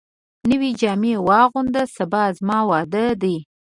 نوي جامي واغونده ، سبا زما واده دی